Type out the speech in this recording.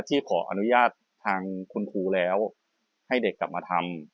ที่ขออนุญาตทางคุณครูแล้วให้เด็กกลับมาทำ